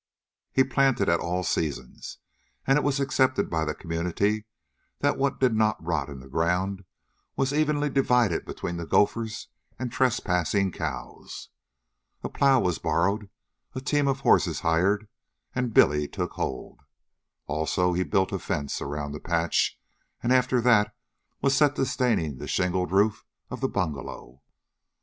He planted at all seasons, and it was accepted by the community that what did not rot in the ground was evenly divided between the gophers and trespassing cows. A plow was borrowed, a team of horses hired, and Billy took hold. Also he built a fence around the patch, and after that was set to staining the shingled roof of the bungalow.